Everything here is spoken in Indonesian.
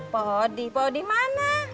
pak odi pak odi mana